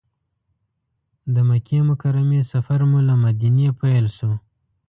د مکې مکرمې سفر مو له مدینې پیل شو.